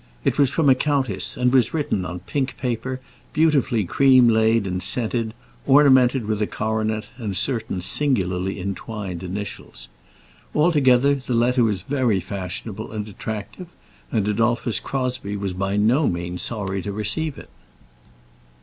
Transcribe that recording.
It was from a countess, and was written on pink paper, beautifully creamlaid and scented, ornamented with a coronet and certain singularly entwined initials. Altogether, the letter was very fashionable and attractive, and Adolphus Crosbie was by no means sorry to receive it.